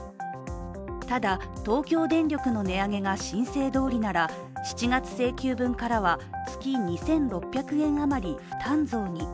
ただ、東京電力の値上げが申請どおりなら７月請求分からは月２６００円あまり、負担増に。